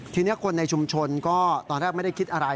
ทีนี้คนในชุมชนก็ตอนแรกไม่ได้คิดอะไร